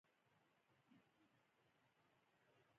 ځونډیه! زه به ورته ټوله شپه نینې نینې شوم